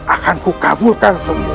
akanku kabulkan semua